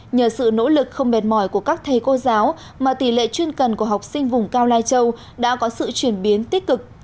nhờ sự nỗ lực không mệt mỏi của các thầy cô giáo mà tỷ lệ chuyên cần của học sinh vùng cao lai châu đã có sự chuyển biến tích cực